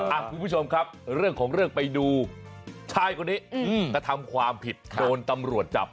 คุณผู้ชมครับเรื่องของเรื่องไปดูชายคนนี้กระทำความผิดโดนตำรวจจับ